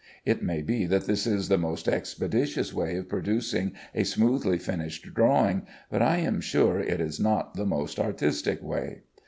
It maybe that this is the most expeditious way of producing a smoothly finished drawing, but I am sure it is not the most artistic way.